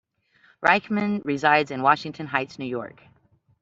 Reichman resides in Washington Heights, New York.